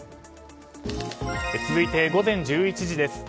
続いて午前１１時です。